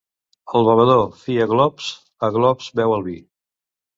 El bevedor fi a glops, a glops, beu el vi.